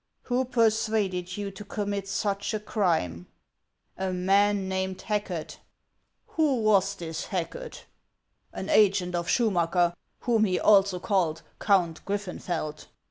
" \V ho persuaded you to commit such a crime ?"" A man named Hacket:' " Who was this Hacket ?" "An agent of Schumacker, whom he also called Count Griffenfeld."